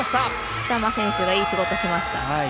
北間選手がいい仕事しました。